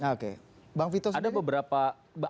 oke bang wito sendiri